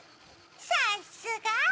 さっすが！